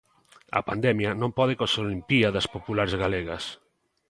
A pandemia non pode coas Olimpíadas Populares Galegas.